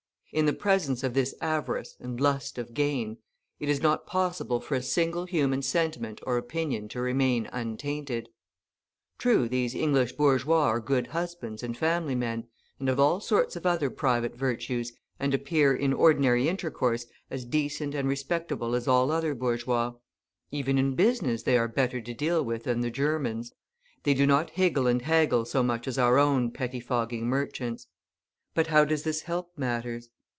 In the presence of this avarice and lust of gain, it is not possible for a single human sentiment or opinion to remain untainted. True, these English bourgeois are good husbands and family men, and have all sorts of other private virtues, and appear, in ordinary intercourse, as decent and respectable as all other bourgeois; even in business they are better to deal with than the Germans; they do not higgle and haggle so much as our own pettifogging merchants; but how does this help matters?